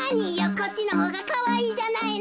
こっちのほうがかわいいじゃないのべ。